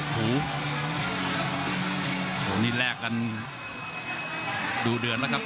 โหนี่แรกกันดูเดือนแล้วครับ